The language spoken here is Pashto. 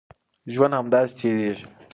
ژوند همداسې تېرېږي.